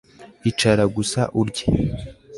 icara gusa urye